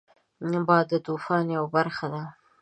باد د طوفان یو برخه ده